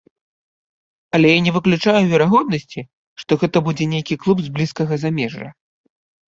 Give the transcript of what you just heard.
Але я не выключаю верагоднасці, што гэта будзе нейкі клуб з блізкага замежжа.